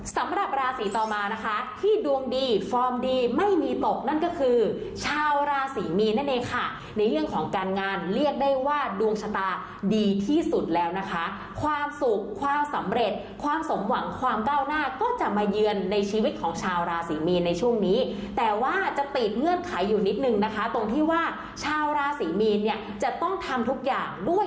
สำหรับราศีต่อมานะคะที่ดวงดีฟอร์มดีไม่มีตกนั่นก็คือชาวราศรีมีนนั่นเองค่ะในเรื่องของการงานเรียกได้ว่าดวงชะตาดีที่สุดแล้วนะคะความสุขความสำเร็จความสมหวังความก้าวหน้าก็จะมาเยือนในชีวิตของชาวราศรีมีนในช่วงนี้แต่ว่าจะติดเงื่อนไขอยู่นิดนึงนะคะตรงที่ว่าชาวราศรีมีนเนี่ยจะต้องทำทุกอย่างด้วย